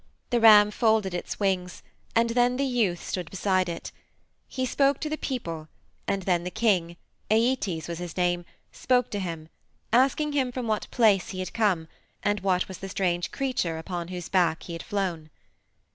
The ram folded its wings and then the youth stood beside it. He spoke to the people, and then the king Æetes was his name spoke to him, asking him from what place he had come, and what was the strange creature upon whose back he had flown.